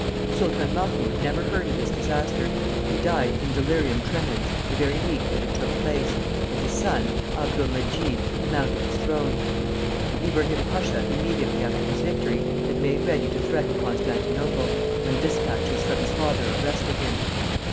Sultan Mahmoud never heard of this disaster. He died of delirium tremens the very week that it took place, and his son, Abdul Medjid, mounted his throne. Ibrahim Pasha immediately after his victory had made ready to threaten Constantinople, when despatches from his father arrested him.